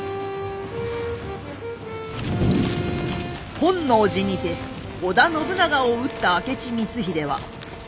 本能寺にて織田信長を討った明智光秀は瞬く間に京を制圧。